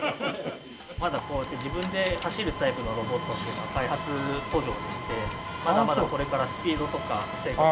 まだこうやって自分で走るタイプのロボットっていうのは開発途上でしてまだまだこれからスピードとか正確性。